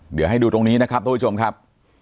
เดี๋ยวให้ดูตรงนี้นะครับทุกผู้ชมครับ